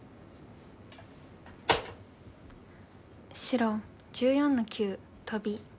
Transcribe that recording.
白１４の九トビ。